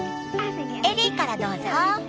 エリーからどうぞ。